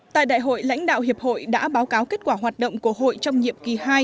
tại đại hội lãnh đạo hiệp hội đã báo cáo kết quả hoạt động của hội trong nhiệm kỳ hai